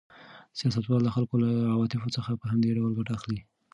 سیاستوال د خلکو له عواطفو څخه په همدې ډول ګټه اخلي.